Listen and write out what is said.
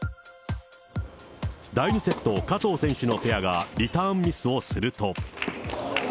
第２セット、加藤選手のペアがリターンミスをすると。